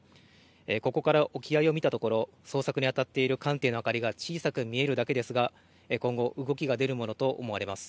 ここから沖合を見たところ捜索に当たっている艦艇の明かりが小さく見えるだけですが今後、動きが出るものと思われます。